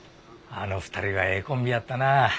あの２人はええコンビやったな。